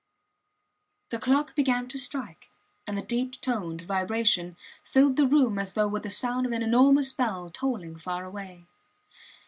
The clock began to strike, and the deep toned vibration filled the room as though with the sound of an enormous bell tolling far away.